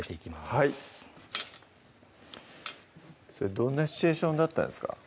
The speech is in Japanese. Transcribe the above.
はいそれどんなシチュエーションだったんですか？